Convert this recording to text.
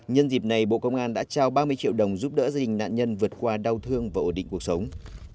nhân dịp này bộ công an đã trao ba mươi triệu đồng giúp đỡ gia đình nạn nhân vượt qua đau thương và ổn định cuộc sống